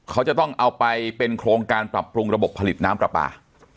เขาจะต้องเอาไปเป็นโครงการปรับปรุงระบบผลิตน้ำปลาปลา